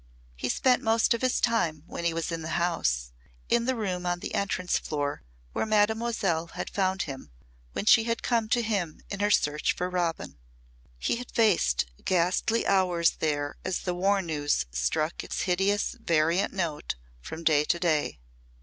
He spent most of his time, when he was in the house, in the room on the entrance floor where Mademoiselle had found him when she had come to him in her search for Robin. He had faced ghastly hours there as the war news struck its hideous variant note from day to day.